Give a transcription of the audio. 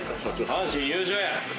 阪神優勝や！